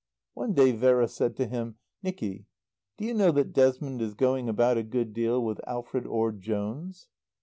One day Vera said to him, "Nicky, do you know that Desmond is going about a good deal with Alfred Orde Jones?"